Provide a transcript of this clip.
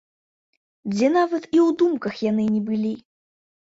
Дзе нават і ў думках яны не былі.